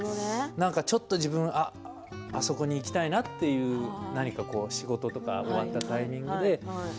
ちょっと自分あそこに行きたいなと何か仕事とか終わったタイミングで。